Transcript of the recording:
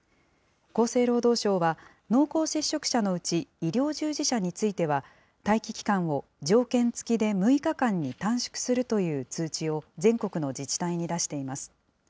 厚生労働省は、濃厚接触者のうち、医療従事者については、待機期間を条件付きで６日間に短縮するという通知を全国の自治体に出しています。